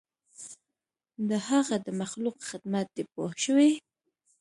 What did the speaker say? د هغه د مخلوق خدمت دی پوه شوې!.